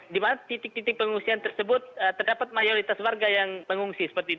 di mana titik titik pengungsian tersebut terdapat mayoritas warga yang mengungsi